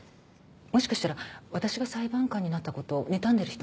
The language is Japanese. もしかしたら私が裁判官になった事を妬んでる人もいるかも。